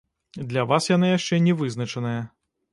Для вас яна яшчэ не вызначаная.